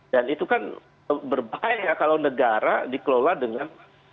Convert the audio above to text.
dan itu kan berbahaya kalau negara dikelola dengan mendengarkan bisnisnya